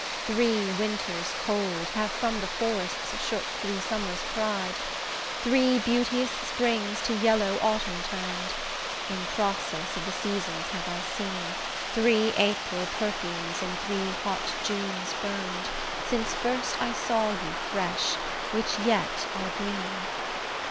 Three winters cold, Have from the forests shook three summers' pride, Three beauteous springs to yellow autumn turn'd, In process of the seasons have I seen, Three April perfumes in three hot Junes burn'd, Since first I saw you fresh, which yet are green.